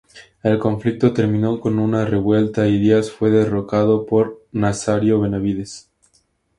El conflicto terminó con una revuelta y Díaz fue derrocado por Nazario Benavídez.